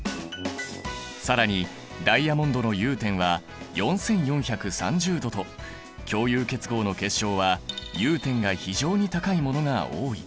更にダイヤモンドの融点は４４３０℃と共有結合の結晶は融点が非常に高いものが多い。